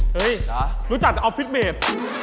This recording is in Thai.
เฮ้ยรู้จักแต่ออฟฟิตเมด